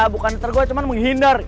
bukan tergol cuman menghindar